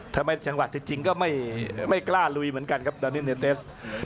ทำไมแต่จริงก็ไม่กล้าลุยเหมือนกันครับแต่ตอนนี้ทีนี้นะครับ